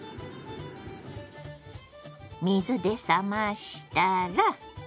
水で冷ましたら。